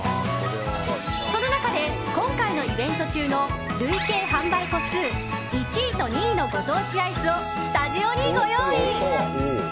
その中で、今回のイベント中の累計販売個数１位と２位のご当地アイスをスタジオにご用意。